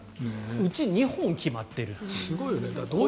うち２本決まっているという。